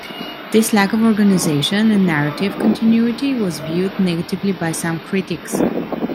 This lack of organization and narrative continuity was viewed negatively by some critics.